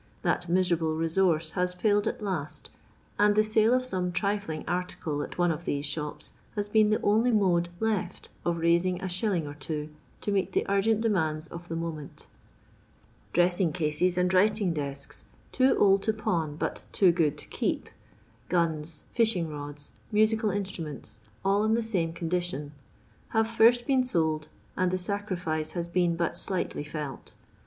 That miserable resource has foiled at last, and the sale of some trifling article at one of these shops, has been the only mode left of raising a shilling or two, to meet the uigent demands of the moment. Dressing cases and writing desks, too old to pawn but too good to keep ; guns, fishing rods, musical instruments, all in the same condition ; have first been sold, and the sacrifice has been but slightly felt.